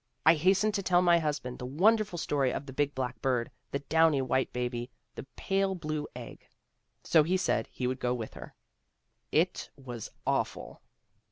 " 'I hastened to tell my husband the wonderful story of the big black bird, the downy white baby, the pale blue egg/ ' So he said he would go with her. It was awful.